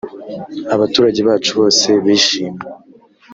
abaturage bacu bose bishimye